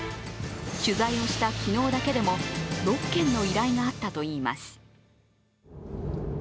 取材をした昨日だけでも６件の依頼があったといいます。